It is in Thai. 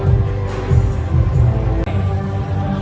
สโลแมคริปราบาล